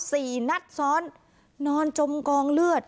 สี่นัดซ้อนนอนจมกองเลือด